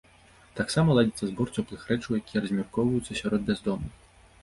Таксама ладзіцца збор цёплых рэчаў, якія размяркоўваюцца сярод бяздомных.